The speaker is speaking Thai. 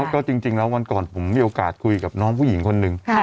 ก็จริงแล้ววันก่อนผมมีโอกาสคุยกับน้องผู้หญิงคนหนึ่ง